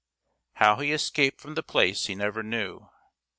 How he escaped from the place he never knew.